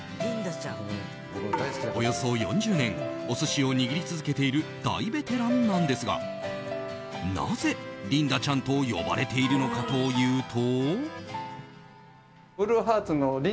およそ４０年お寿司を握り続けている大ベテランなんですがなぜリンダちゃんと呼ばれているのかというと。